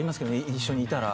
一緒にいたら。